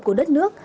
của đất nước